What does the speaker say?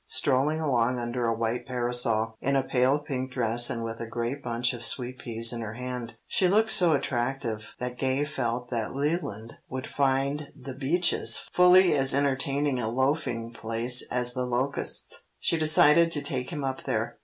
Strolling along under a white parasol, in a pale pink dress and with a great bunch of sweet peas in her hand, she looked so attractive, that Gay felt that Leland would find The Beeches fully as entertaining a loafing place as The Locusts. She decided to take him up there.